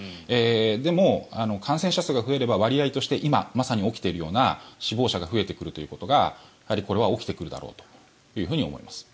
でも、感染者数が増えれば割合として今、まさに起きているような死亡者が増えてくるということがこれは起きてくるだろうと思います。